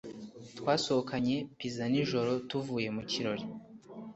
Twasohokanye pizza nijoro tuvuye mukirori